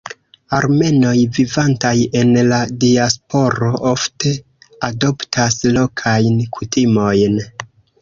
Armenoj vivantaj en la diasporo ofte adoptas lokajn kutimojn.